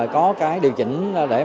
có cái điều chỉnh để đồng thuận